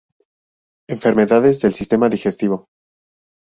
Enfermedades del sistema digestivo